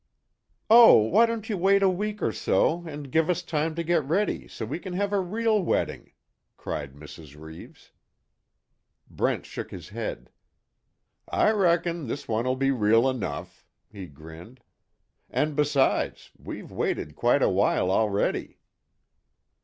"Oh, why don't you wait a week or so and give us time to get ready so we can have a real wedding?" cried Mrs. Reeves. Brent shook his head: "I reckon this one will be real enough," he grinned, "And besides, we've waited quite a while, already."